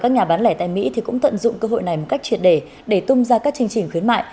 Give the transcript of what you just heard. nhà bán lẻ tại mỹ cũng tận dụng cơ hội này một cách truyền đề để tung ra các chương trình khuyến mại